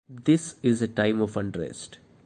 This is a time of unrest.